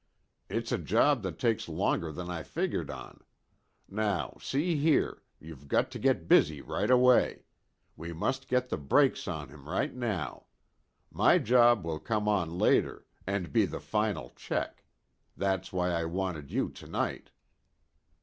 "It's a job that takes longer than I figured on. Now, see here, you've got to get busy right away. We must get the brakes on him right now. My job will come on later, and be the final check. That's why I wanted you to night."